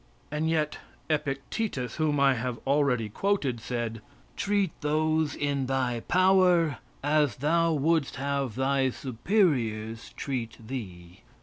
And yet Epictetus, whom I have already quoted, said: "Treat those in thy power as thou wouldst have thy superiors treat thee."